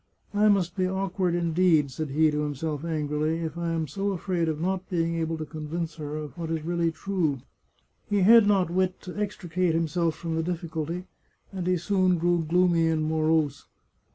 " I must be awkward indeed," said he to himself 153 The Chartreuse of Parma angrily, " if I am so afraid of not being able to convince her of what is really true." He had not wit to extricate himself from the difficulty, and he soon grew gloomy and morose.